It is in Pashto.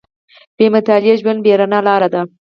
• بې مطالعې ژوند، بې رڼا لاره ده.